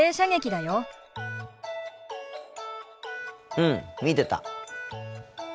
うん見てた。